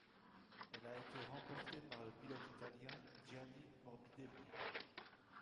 Elle a été remportée par le pilote italien Gianni Morbidelli.